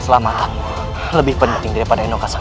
lebih penting daripada eno kasang